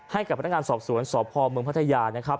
ให้กับพนักงานสอบสวนสอบพ่อเมืองพัทยา